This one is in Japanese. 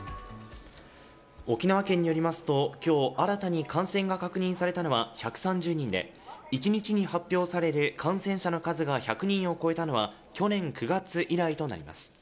沖縄県によりますと今日、新たに確認が確認されたのは１３０人で一日に発表される感染者の数が１００人を超えたのは人を超えたのは去年９月以来となります。